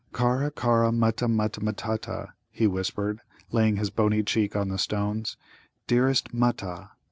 "Kara, kara Mutta, Mutta matutta," he whispered, laying his bony cheek on the stones "dearest Mutta!"